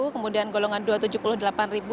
kemudian golongan dua ratus tujuh puluh delapan